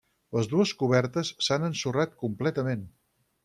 Les dues cobertes s'han ensorrat completament.